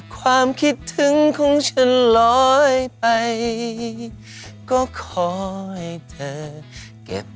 ไปร้องต่อชั้นต่อไปกันนะครับ